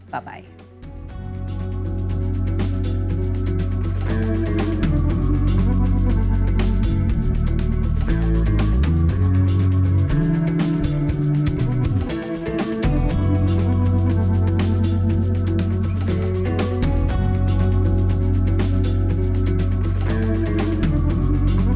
sampai jumpa lagi